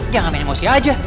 jangan main emosi aja